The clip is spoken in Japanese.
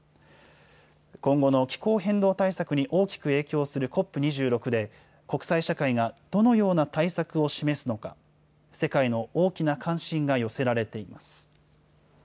今後の気候変動対策に大きく影響するＣＯＰ２６で、国際社会がどのような対策を示すのか、世界の大きな関心が寄せられています。